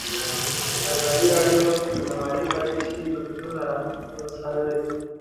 ازادي راډیو د مالي پالیسي بدلونونه څارلي.